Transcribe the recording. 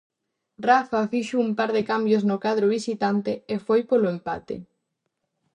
Rafa fixo un par de cambios no cadro visitante e foi polo empate.